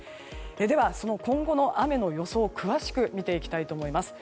では、今後の雨の予想を詳しく見ていきたいと思います。